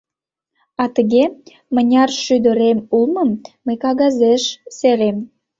— А тыге: мыняр шӱдырем улмым мый кагазеш серем.